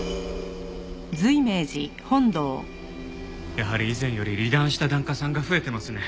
やはり以前より離檀した檀家さんが増えてますね。